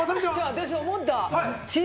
私、思った。